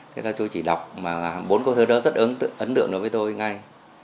thế là tôi chỉ đọc mà bốn cô thơ đó rất ấn tượng đối với tôi ngay